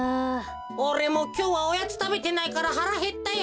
おれもきょうはおやつたべてないからはらへったよ。